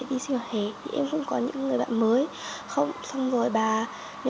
em cũng không có những người bạn mới nhìn đến em